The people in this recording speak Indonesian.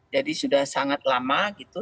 jadi sudah sangat lama gitu